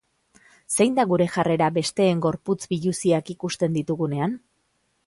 Zein da gure jarrera besteen gorputz biluziak ikusten ditugunean?